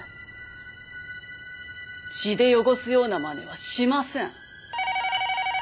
血で汚すようなまねはしません。